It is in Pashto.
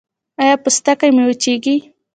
ایا پوستکی مو وچیږي؟